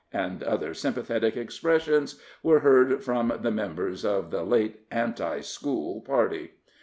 and other sympathetic expressions, were heard from the members of the late anti school party.